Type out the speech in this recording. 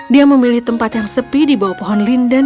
dia memilih tempat yang sepi di bawah pohon linden